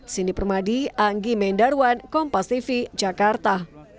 sini permadi anggi mendarwan kompastv jakarta